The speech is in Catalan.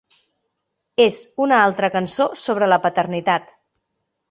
És una altra cançó sobre la paternitat.